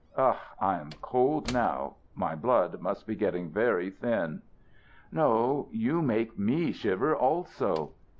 Ugh! I am cold now. My blood must be getting very thin." "No; you make me shiver also."